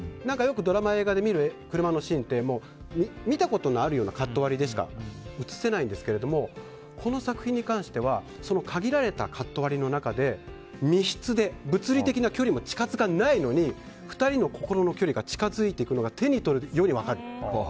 よくドラマ、映画で見る車のシーンって見たことのあるようなカット割りでしか映せないんですがこの作品に関してはその限られたカット割りの中で密室で、物理的な距離も近づかないのに２人の心の距離が近づいていくのが手に取るように分かる。